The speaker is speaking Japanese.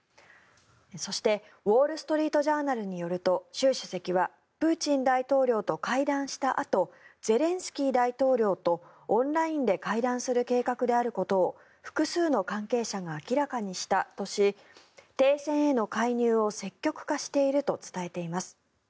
そしてウォール・ストリート・ジャーナルによると習主席はプーチン大統領と会談したあとゼレンスキー大統領とオンラインで会談する計画であることを複数の関係者が明らかにしたとし停戦への介入を積極化していると伝えています。